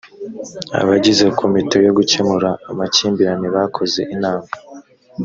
abagize komite yo gukemura amakimbirane bakoze inama.